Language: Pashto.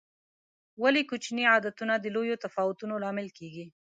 ولې کوچیني عادتونه د لویو تفاوتونو لامل کېږي؟